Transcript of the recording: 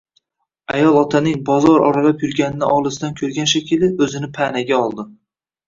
Ayol otaning bozor oralab yurganini olisdan ko‘rgan shekilli, o‘zini panaga oldi